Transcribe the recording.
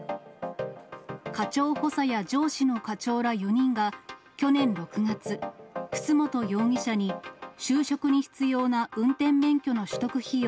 課長補佐や上司の課長ら４人が、去年６月、楠本容疑者に就職に必要な運転免許の取得費用